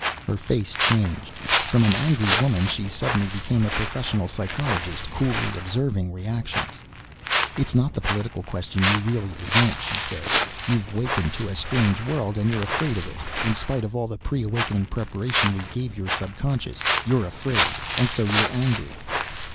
Her face changed. From an angry woman, she suddenly became a professional psychologist, coolly observing reactions. "It's not the political question you really resent," she said. "You've wakened to a strange world and you're afraid of it, in spite of all the pre awakening preparation we gave your subconscious. You're afraid, and so you're angry."